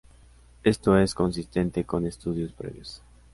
Esto es consistente con estudios previos.